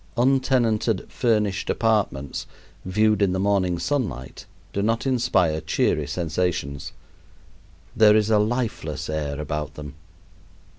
Untenanted "furnished apartments" viewed in the morning sunlight do not inspire cheery sensations. There is a lifeless air about them.